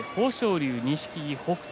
龍、錦木、北勝